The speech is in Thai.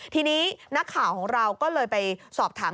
ทีนี้นักข่าวของเราก็เลยไปสอบถาม